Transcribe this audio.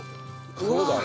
そうだね。